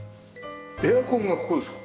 エアコンがここですか？